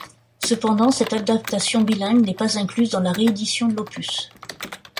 Cependant cette adaptation bilingue n'est pas incluse dans la réédition de l'opus.